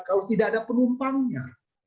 kalau tidak ada penumpangnya